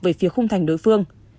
về phía khung thành đối phương